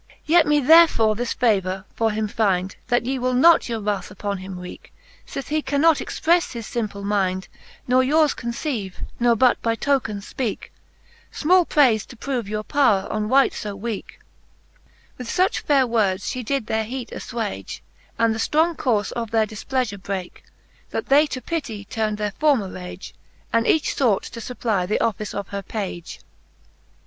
XXX. Let Canto V, the Faerie ilueene, 281 XXX. Let me therefore this favour for him findc, That ye will not your wrath upon him wreake, Sith he cannot expreffe his fimple minde, Ne yours conceive, ne but by tokens Ipeake : Small praife to prove your powre on wight fo weake. With fuch faire words fhe did their heate aflwage, And the ftrong courfe of their difpleafure breake, That they to pitty turn'd their former rage. And each fought to fupply the office of her page.